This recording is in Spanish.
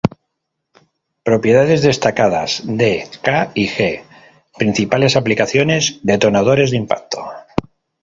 Propiedades destacadas: d, K y g. Principales aplicaciones: detonadores de impacto.